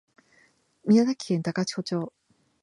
宮崎県高千穂町